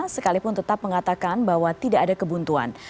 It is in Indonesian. sekalipun tetap mengatakan bahwa tidak ada kebuntuan